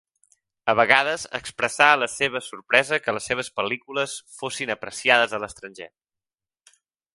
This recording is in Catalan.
A vegades expressà la seva sorpresa que les seves pel·lícules fossin apreciades a l'estranger.